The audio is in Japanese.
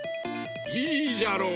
いいじゃろう。